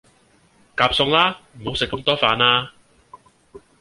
夾餸啦，唔好食咁多飯呀